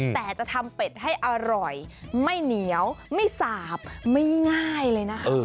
แต่จะทำเป็ดให้อร่อยไม่เหนียวไม่สาบไม่ง่ายเลยนะคะ